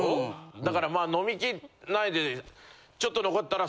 だからまあ飲み切んないで。